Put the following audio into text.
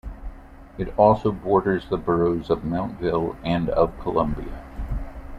It also borders the Boroughs of Mountville and of Columbia.